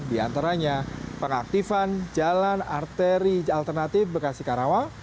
di antaranya pengaktifan jalan arteri alternatif bekasi karawang